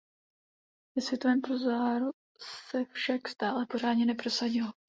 Ve Světovém poháru se však stále pořádně neprosadil.